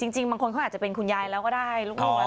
จริงบางคนเขาอาจจะเป็นคุณยายแล้วก็ได้ลูกน้อย